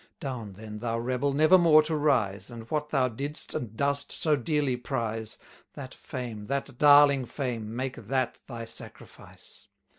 Down then, thou rebel, never more to rise, And what thou didst, and dost, so dearly prize, That fame, that darling fame, make that thy sacrifice.